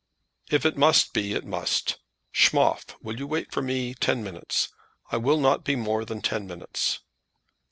"If it must be, it must. Schmoff, will you wait for me ten minutes? I will not be more than ten minutes."